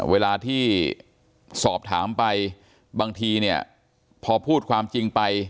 เวลาที่สอบถามไปบางทีเนี่ยพอพูดความจริงไป